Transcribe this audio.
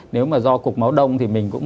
nếu mà do cục máu đông thì mình cũng